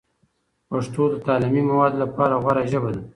پښتو د تعلیمي موادو لپاره غوره ژبه ده.